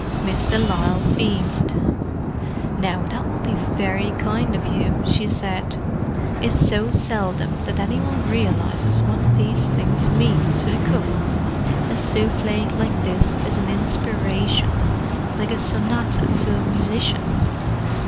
Miss de Lisle beamed. "Now, that would be very kind of you," she said. "It's so seldom that any one realizes what these things mean to the cook. A souffle like this is an inspiration—like a sonata to a musician.